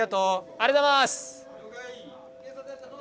ありがとうございます。